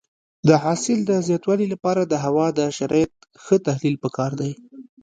د حاصل د زیاتوالي لپاره د هوا د شرایطو ښه تحلیل پکار دی.